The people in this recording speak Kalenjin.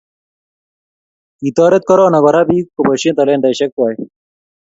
Kitoret corana Kora biik kopoishe talentaishek kwai